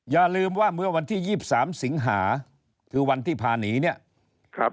อย่าลืมว่าเมื่อวันที่๒๓สิงหาคือวันที่พาหนีเนี่ยครับ